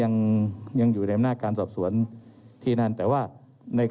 เรามีการปิดบันทึกจับกลุ่มเขาหรือหลังเกิดเหตุแล้วเนี่ย